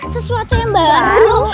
sesuatu yang baru